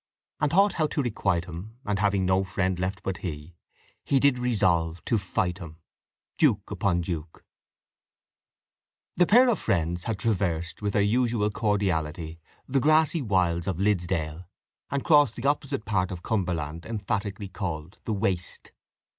And thought how to requite him, And having no friend left but he, He did resolve to fight him. Duke upon Duke The pair of friends had traversed with their usual cordiality the grassy wilds of Liddesdale, and crossed the opposite part of Cumberland, emphatically called The Waste.